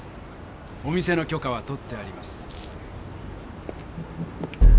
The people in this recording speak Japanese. お店のきょかは取ってあります。